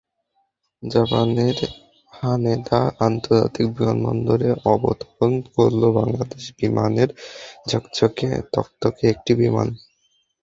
জাপানের হানেদা আন্তর্জাতিক বিমানবন্দরে অবতরণ করল বাংলাদেশ বিমানের ঝকঝকে তকতকে একটি বিমান।